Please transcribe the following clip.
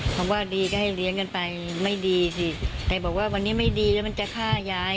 คำว่าดีก็ให้เลี้ยงกันไปไม่ดีสิแต่บอกว่าวันนี้ไม่ดีแล้วมันจะฆ่ายาย